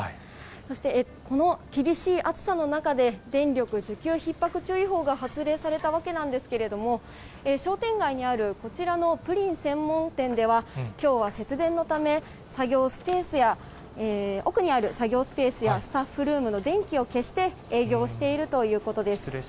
そして、この厳しい暑さの中で、電力需給ひっ迫注意報が発令されたわけなんですけれども、商店街にあるこちらのプリン専門店では、きょうは節電のため、作業スペースや、奥にある作業スペースや、スタッフルームの電気を消して、営業しているということです。